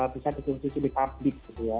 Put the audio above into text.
bisa ditutupi di publik